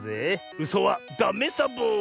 うそはダメサボ！